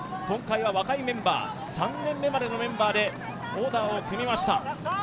今回は若いメンバー３年目までのメンバーでオーダーを組みました。